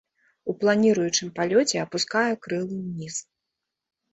У планіруючым палёце апускае крылы ўніз.